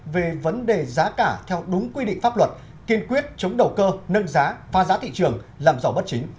về vấn đề giá cả theo đúng quy định pháp luật kiên quyết chống đầu cơ nâng giá pha giá thị trường làm rõ bất chính